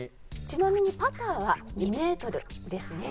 ちなみにパターは２メートルですね。